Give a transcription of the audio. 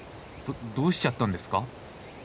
どどうしちゃったんですか？